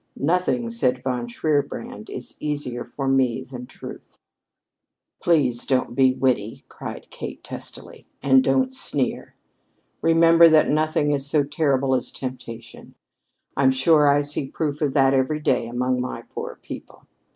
"Nothing," said Von Shierbrand, "is easier for me than truth." "Please don't be witty," cried Kate testily, "and don't sneer. Remember that nothing is so terrible as temptation. I'm sure I see proof of that every day among my poor people.